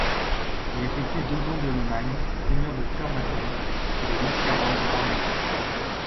Il était fils d'Odon de Lomagne, seigneur de Firmacon, et de Mascarose d'Armagnac.